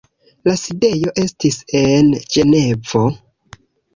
La sidejo estis en Ĝenevo.